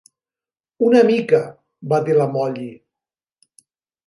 "Una mica", va dir la Mollie.